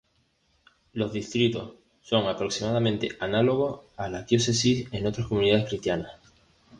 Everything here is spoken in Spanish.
Los distritos son aproximadamente análogos a las diócesis en otras comunidades cristianas.